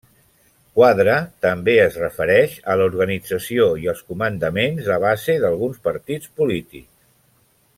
Quadre també es refereix a l'organització i els comandaments de base d'alguns partits polítics.